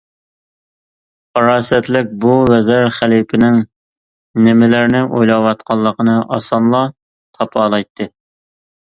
پاراسەتلىك بۇ ۋەزىر خەلىپىنىڭ نېمىلەرنى ئويلاۋاتقانلىقىنى ئاسانلا تاپالايتتى.